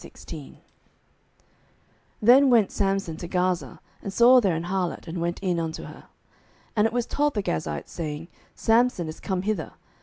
07:016:001 Then went Samson to Gaza, and saw there an harlot, and went in unto her. 07:016:002 And it was told the Gazites, saying, Samson is come hither.